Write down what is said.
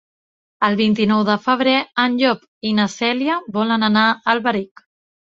El vint-i-nou de febrer en Llop i na Cèlia volen anar a Alberic.